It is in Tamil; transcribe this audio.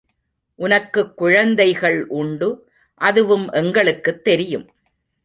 உனக்குக் குழந்தைகள் உண்டு அதுவும் எங்களுக்குத் தெரியும்.